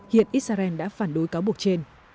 hiện israel đã phản đối cáo buộc trên